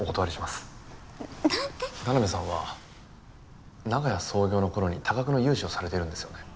田辺さんは長屋創業の頃に多額の融資をされているんですよね？